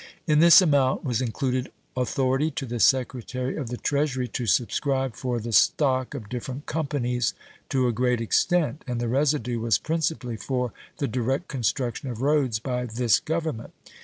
In this amount was included authority to the Secretary of the Treasury to subscribe for the stock of different companies to a great extent, and the residue was principally for the direct construction of roads by this Government.